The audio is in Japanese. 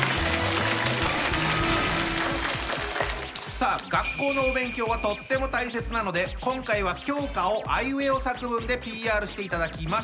さあ学校のお勉強はとっても大切なので今回は教科をあいうえお作文でＰＲしていただきます。